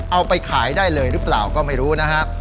เอาไปขายได้เลยหรือเปล่าก็ไม่รู้นะฮะ